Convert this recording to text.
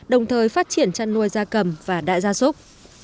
đồng thời phát triển chăn nuôi da cầm và đại gia súc